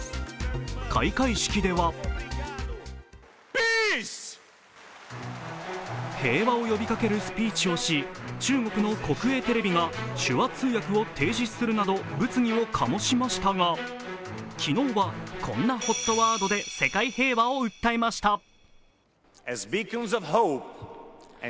開会式では平和を呼びかけるスピーチをし、中国の国営テレビが手話通訳を停止するなど物議を醸しましたが、昨日は、こんなＨＯＴワードで世界平和を訴えました。